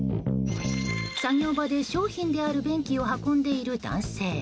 作業場で商品である便器を運んでいる男性。